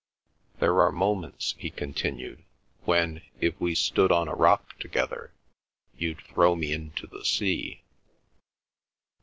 There are moments," he continued, "when, if we stood on a rock together, you'd throw me into the sea."